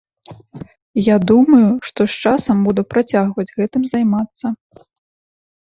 Я думаю, што з часам буду працягваць гэтым займацца.